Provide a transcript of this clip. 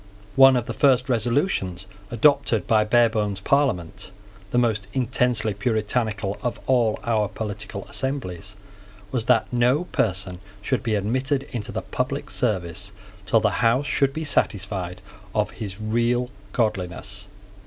One of the first resolutions adopted by Barebone's Parliament, the most intensely Puritanical of all our political assemblies, was that no person should be admitted into the public service till the House should be satisfied of his real godliness.